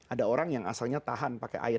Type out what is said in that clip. ada orang yang asalnya tahan pakai air